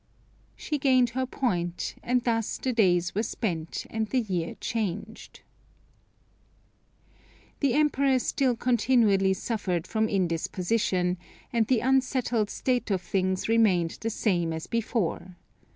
She gained her point, and thus the days were spent and the year changed. The Emperor still continually suffered from indisposition, and the unsettled state of things remained the same as before.